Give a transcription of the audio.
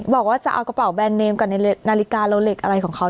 บอกว่าจะเอากระเป๋าแบรนเนมกับนาฬิกาโลเล็กอะไรของเขา